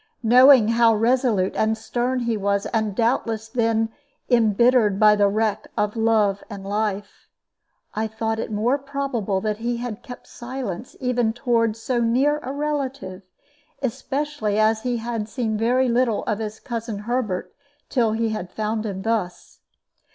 Knowing how resolute and stern he was, and doubtless then imbittered by the wreck of love and life, I thought it more probable that he had kept silence even toward so near a relative, especially as he had seen very little of his cousin Herbert till he had found him thus.